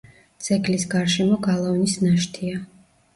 ძეგლის გარშემო გალავნის ნაშთია.